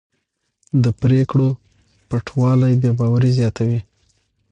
د پرېکړو پټوالی بې باوري زیاتوي